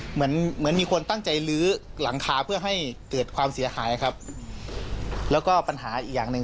เหมือนเหมือนมีคนตั้งใจลื้อหลังคาเพื่อให้เกิดความเสียหายครับแล้วก็ปัญหาอีกอย่างหนึ่ง